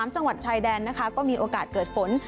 จังหวัดชายแดนนะคะก็มีโอกาสเกิดฝน